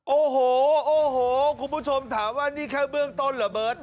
โอ้โหโอ้โหคุณผู้ชมถามว่านี่แค่เบื้องต้นเหรอเบิร์ต